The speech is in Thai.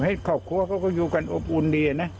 ให้ขอบคุณเขาก็อยู่กันอบอุ่นดีนะ